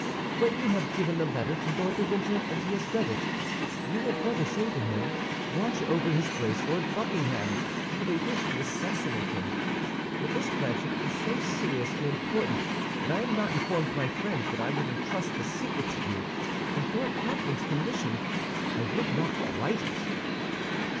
"When you have given the letter to Lord de Winter and he has read it, you will further say to him: Watch over his Grace Lord Buckingham, for they wish to assassinate him. But this, Planchet, is so serious and important that I have not informed my friends that I would entrust this secret to you; and for a captain's commission I would not write it."